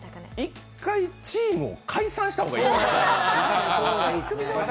１回チームを解散した方がいいと思う。